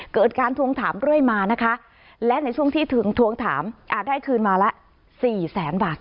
เกิดการทวงถามเรื่อยมานะคะและในช่วงที่ถึงทวงถามอาจได้คืนมาละสี่แสนบาท